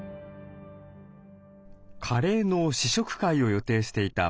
カレーの試食会を予定していた